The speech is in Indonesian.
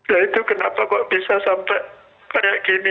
nah itu kenapa kok bisa sampai kayak gini